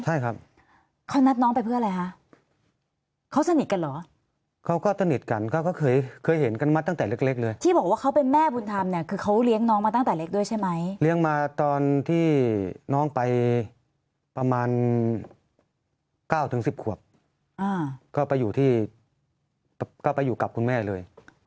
ใช่ครับเขานัดน้องไปเพื่ออะไรคะเขาสนิทกันเหรอเขาก็สนิทกันก็เขาเคยเคยเห็นกันมาตั้งแต่เล็กเลยที่บอกว่าเขาเป็นแม่บุญธรรมเนี่ยคือเขาเลี้ยงน้องมาตั้งแต่เล็กด้วยใช่ไหมเลี้ยงมาตอนที่น้องไปประมาณ๙๑๐ขวบก็ไปอยู่ที่ก็ไปอยู่กับคุณแม่เลย